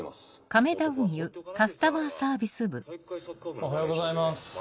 おはようございます。